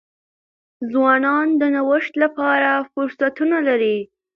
ځوانان د نوښت لپاره فرصتونه لري.